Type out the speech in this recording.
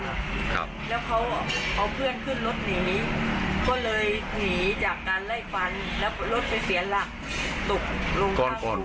ครับแล้วเขาเอาเพื่อนขึ้นรถหนีก็เลยหนีจากการไล่ฟันแล้วรถไปเสียหลักตกลงก่อน